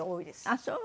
あっそう。